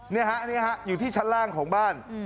นี่ครับอยู่ที่ชั้นล่างของบ้าน